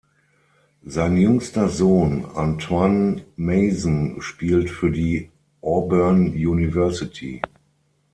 Sein jüngster Sohn Antoine Mason spielt für die Auburn University.